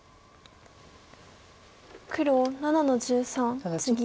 黒７の十三ツギ。